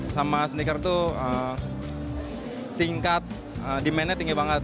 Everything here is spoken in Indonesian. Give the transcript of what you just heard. sama sneaker itu tingkat demandnya tinggi banget